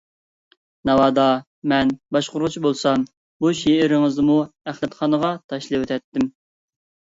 ناۋادا مەن باشقۇرغۇچى بولسام بۇ شېئىرىڭىزنىمۇ ئەخلەتخانىغا تاشلىۋېتەتتىم.